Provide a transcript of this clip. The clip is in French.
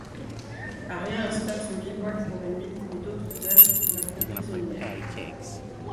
Aria installe son bivouac pour la nuit mais d'autres Elfes la font prisonnière.